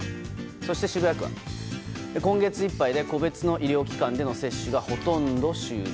そして渋谷区は今月いっぱいで個別の医療機関での接種がほとんど終了。